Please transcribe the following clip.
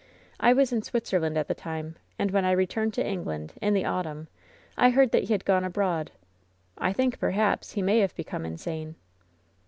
I was in Switzerland at the time, and when I returned to England, in the autumn, I heard that he had gone abroad. I think, perhaps, he may have become insane."